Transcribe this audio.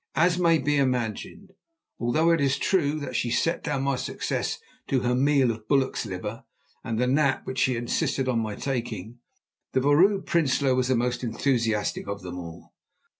As may be imagined, although it is true that she set down my success to her meal of bullock's liver and the nap which she had insisted on my taking, the Vrouw Prinsloo was the most enthusiastic of them all.